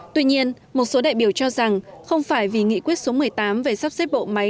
tuy nhiên một số đại biểu cho rằng không phải vì nghị quyết số một mươi tám về sắp xếp bộ máy